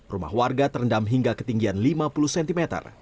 rumah warga terendam hingga ketinggian lima puluh cm